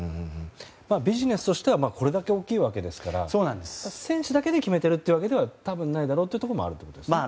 ビジネスとしてはこれだけ大きいわけですから選手だけで決めているわけではないだろうということですね。